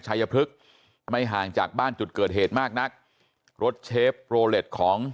ชายพฤกษ์ไม่ห่างจากบ้านจุดเกิดเหตุมากนักรถเชฟโรเล็ตของ